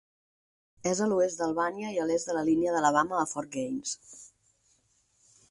És a l'oest d'Albània i a l'est de la línia d'Alabama a Fort Gaines.